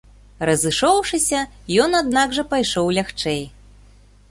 Разышоўшыся, ён аднак жа пайшоў лягчэй.